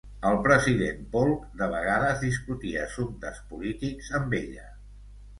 El president Polk de vegades discutia assumptes polítics amb ella.